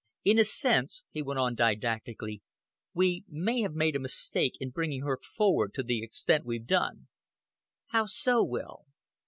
"In a sense," he went on, didactically, "we may have made a mistake in bringing her forward to the extent we've done." "How so, Will?"